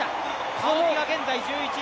青木が現在１１位。